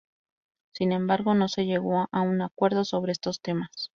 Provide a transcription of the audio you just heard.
Sin embargo, no se llegó a un acuerdo sobre estos temas.